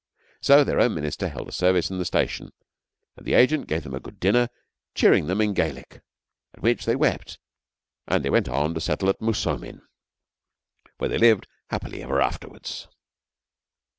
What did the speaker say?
So their own minister held a service in the station, and the agent gave them a good dinner, cheering them in Gaelic, at which they wept, and they went on to settle at Moosomin, where they lived happily ever afterwards.